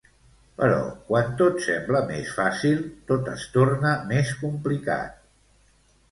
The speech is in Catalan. Però quan tot sembla més fàcil, tot es torna més complicat.